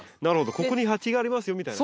ここに鉢がありますよみたいな。